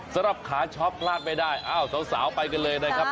สำหรับขาช็อปพลาดไม่ได้อ้าวสาวไปกันเลยนะครับ